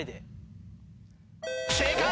正解！